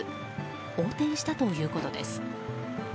横転したということです。